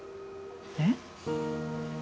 えっ？